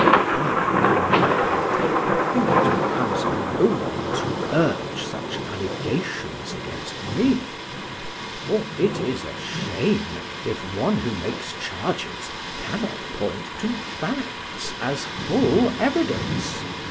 I, for my part, think it becomes no one to urge such allegations against me; for it is a shame if one who makes charges cannot point to facts as full evidence.